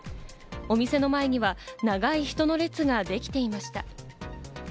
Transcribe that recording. お店の前には長い人の列ができていました。